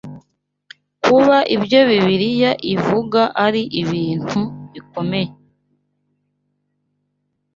Kuba ibyo Bibiliya ivuga ari ibintu bikomeye